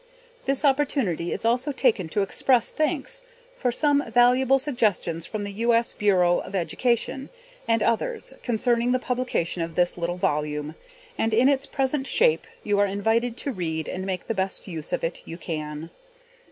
This opportunity is also taken to express thanks for some valuable suggestions from the U. S. Bureau of Education, and others, concerning the publication of this little volume, and in its present shape you are invited to read and make the best use of it you can.